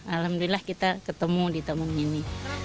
alhamdulillah kita ketemu di taman ini